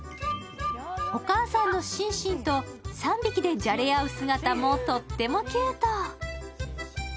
お母さんのシンシンと３匹でじゃれ合う姿もとってもキュート。